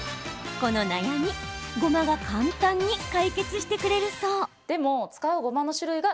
この悩み、ごまが簡単に解決してくれるそう。